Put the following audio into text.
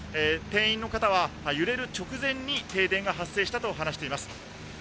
店員の方は揺れる直前に停電が発生したと話しています。